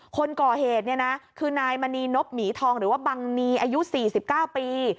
คนก่อเหตุเนี่ยนะคือนายมณีนบหมีทองหรือว่าบังนีอายุ๔๙ปี